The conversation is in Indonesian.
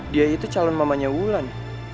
dia itu calon mamanya wulan